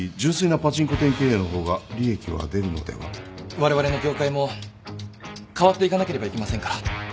われわれの業界も変わっていかなければいけませんから。